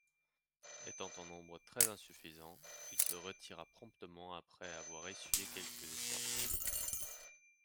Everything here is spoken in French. Étant en nombre très insuffisant, il se retira promptement après avoir essuyé quelques escarmouches.